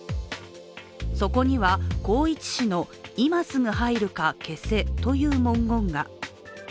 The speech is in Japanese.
そこには、宏一氏の「今すぐ入るか、消せ」という文言が。